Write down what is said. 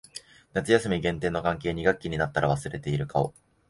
夏休み限定の関係。二学期になったら忘れている顔。